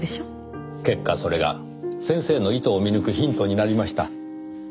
結果それが先生の意図を見抜くヒントになりました。